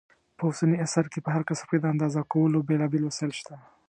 په اوسني عصر کې په هر کسب کې د اندازه کولو بېلابېل وسایل شته.